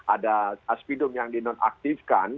ada aspidum yang dinonaktifkan